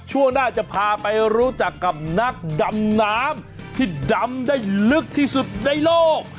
ช่วงหน้าจะพาไปรู้จักกับนักดำน้ำที่ดำได้ลึกที่สุดในโลก